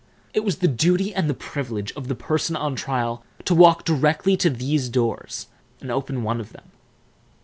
It was the duty and the privilege of the person on trial to walk directly to these doors and open one of them.